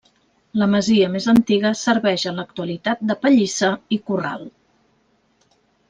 La masia més antiga serveix en l'actualitat de pallissa i corral.